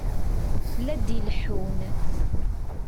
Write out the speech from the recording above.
La d-ileḥḥun.